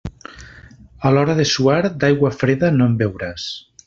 A l'hora de suar, d'aigua freda no en beuràs.